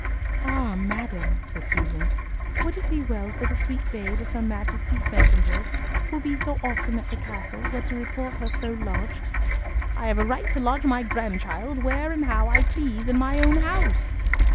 "Ah, madam!" said Susan, "would it be well for the sweet babe if her Majesty's messengers, who be so often at the castle, were to report her so lodged?" "I have a right to lodge my grandchild where and how I please in my own house."